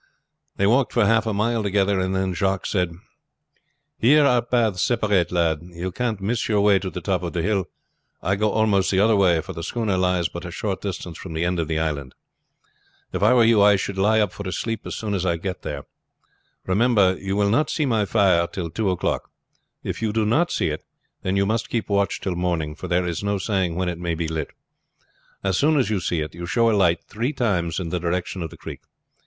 They walked for half a mile together, and then Jacques said: "Here our paths separate, lad; you can't miss your way to the top of the hill. I go almost the other way, for the schooner lies but a short distance from the end of the island. If I were you I should lie up for a sleep as soon as I get there. Remember you will not see my fire till two o'clock. If you do not see it then you must keep watch till morning, for there's no saying when it may be lit. As soon as you see it you show a light three times in the direction of the creek.